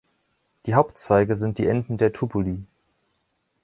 Die Hauptzweige sind die Enden der Tubuli.